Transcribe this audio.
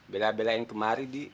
bela belain kemari di